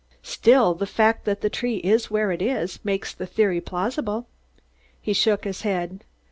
"Still, the fact that the tree is where it is, makes the theory plausible." He shook his head.